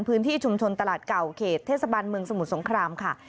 พื้นที่ชุมชนตลาดเก่าเขตเทศบันเมืองสมุทรสงครามค่ะ